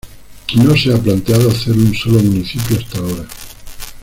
No se ha planteado hacer un solo municipio hasta ahora.